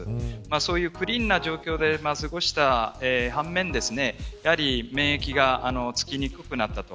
そういうクリーンな状況で過ごした反面免疫がつきにくくなったと。